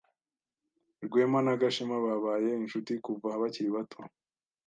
Rwema na Gashema babaye inshuti kuva bakiri bato.